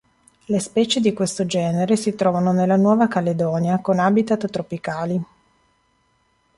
Le specie di questo genere si trovano nella Nuova Caledonia con habitat tropicali.